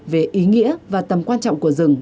về ý nghĩa và tầm quan trọng của rừng